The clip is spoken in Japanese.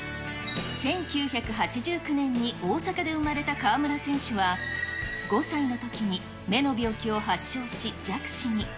１９８９年に大阪で生まれた川村選手は、５歳のときに目の病気を発症し、弱視に。